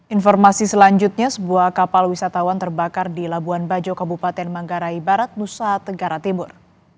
informasi selanjutnya sebuah kapal wisatawan terbakar di labuan bajo kabupaten manggarai barat nusa tenggara timur